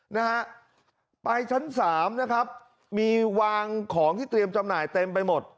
นะฮะไปชั้นสามนะครับมีวางของที่เตรียมจำหน่ายเต็มไปหมด